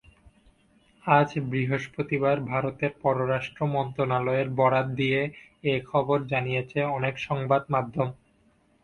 আজ বৃহস্পতিবার ভারতের পররাষ্ট্র মন্ত্রণালয়ের বরাত দিয়ে এ খবর জানিয়েছে অনেক সংবাদমাধ্যম।